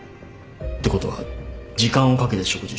ってことは時間をかけて食事した。